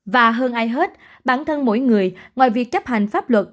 và hơn ai hết bản thân mỗi người ngoài việc chấp hành pháp luật